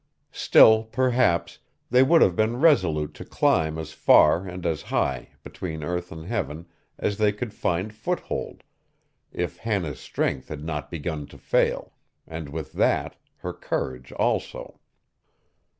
Still, perhaps, they would have been resolute to climb as far and as high, between earth and heaven, as they could find foothold, if Hannah's strength had not begun to fail, and with that, her courage also.